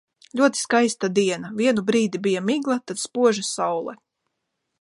Ļoti skaista diena – vienu brīdi bija migla, tad spoža saule.